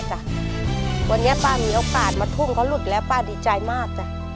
วันนี้ป้ามีโอกาสมาทุ่มเขาหลุดแล้วป้าดีใจมากจ้ะ